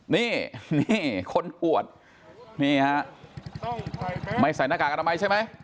นี่นี่คนอวดนี่ฮะไม่ใส่หน้ากากอนามัยใช่ไหม